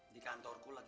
di kantorku lagi